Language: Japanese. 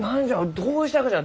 どうしたがじゃ？